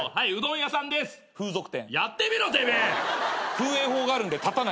風営法があるんで建たない。